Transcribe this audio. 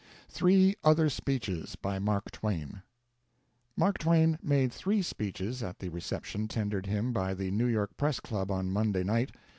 Three Other Speeches by Mark Twain. Mark Twain made three speeches at the reception tendered him by the New York Press Club on Monday night.